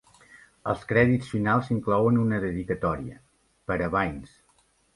Els crèdits finals inclouen una dedicatòria, "Per a Vince".